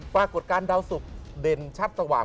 ปรากฏการณ์ดาวสุกเด่นชัดสว่าง